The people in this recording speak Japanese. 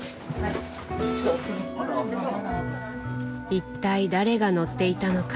一体誰が乗っていたのか？